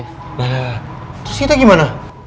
nah nah nah terus kita gimana